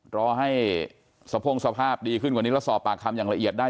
รอให้สะพงสภาพดีขึ้นกว่านี้แล้วสอบปากคำอย่างละเอียดได้